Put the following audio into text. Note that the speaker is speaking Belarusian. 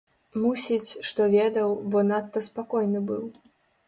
Мусіць, што ведаў, бо надта спакойны быў.